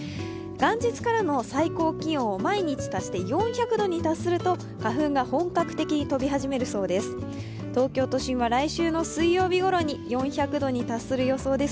元日からの最高気温を毎日足して４００度に達すると、花粉が本格的に飛び始めるそうです。